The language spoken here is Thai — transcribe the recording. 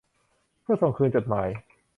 เพื่อส่งคืนจดหมาย